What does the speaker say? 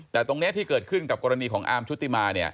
แต่ตรงนี้ที่เกิดขึ้นกับกรณีของอาร์มชุติมา